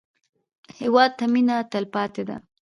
هېواد ته مېنه تلپاتې ده